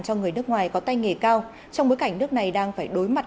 cho người nước ngoài có tay nghề cao trong bối cảnh nước này đang phải đối mặt